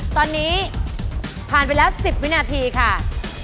ตอนนี้ผ่านไปแล้ว๑๐วินาทีค่ะ